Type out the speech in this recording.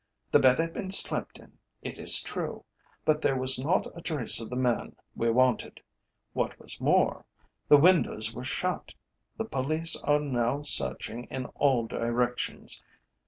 The bed had been slept in, it is true, but there was not a trace of the man we wanted. What was more, the windows were shut. The police are now searching in all directions.